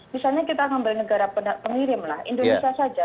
misalnya kita membeli negara pengirim lah indonesia saja